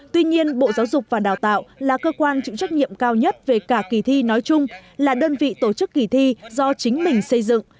tuy nhiên bộ giáo dục và đào tạo là cơ quan chịu trách nhiệm cao nhất về cả kỳ thi nói chung là đơn vị tổ chức kỳ thi do chính mình xây dựng